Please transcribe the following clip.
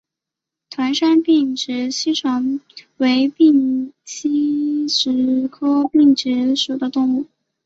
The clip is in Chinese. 团山并殖吸虫为并殖科并殖属的动物。